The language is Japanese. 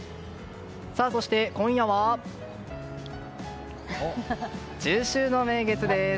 そして、今夜は中秋の名月です。